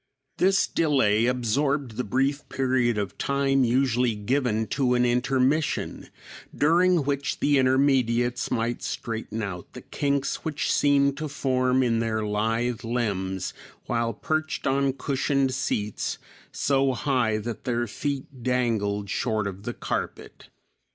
This delay absorbed the brief period of time usually given to an intermission, during which the intermediates might straighten out the kinks which seemed to form in their lithe limbs while perched on cushioned seats so high that their feet dangled short of the carpet.